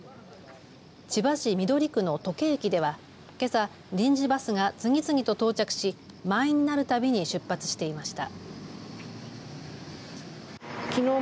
千葉市緑区の土気駅ではけさ臨時バスが次々と到着し満員になるたびに出発していました。